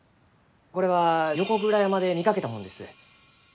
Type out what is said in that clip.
これは横倉山で見かけたもんです。